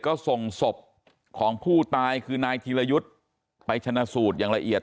ก็ส่งศพของผู้ตายคือนายธีรยุทธ์ไปชนะสูตรอย่างละเอียด